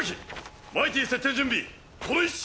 マイティ設定準備この位置。